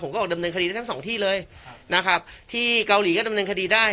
ก็ออกดำเนินคดีได้ทั้งสองที่เลยนะครับที่เกาหลีก็ดำเนินคดีได้